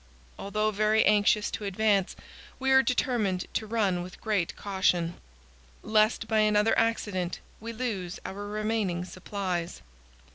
Although very anxious to advance, we are determined to run with great caution, lest by another accident we lose our remaining supplies.